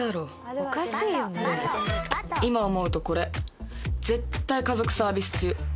今思うとこれ絶対家族サービス中。